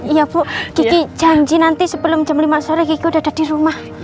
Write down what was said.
iya bu kiki janji nanti sebelum jam lima sore kiki udah ada di rumah